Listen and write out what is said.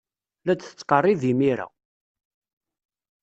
La d-ttqerribeɣ imir-a.